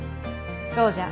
そうじゃ。